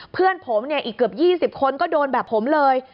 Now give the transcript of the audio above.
เพื่อนผมเนี่ยอีกเกือบ๒๐คนก็โดนแบบผมเลย